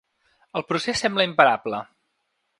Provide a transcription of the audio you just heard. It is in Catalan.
El procés sembla imparable.